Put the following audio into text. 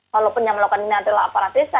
kalau penyelenggaraan ini adalah para desa